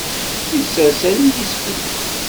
Isers allen-is fell-as.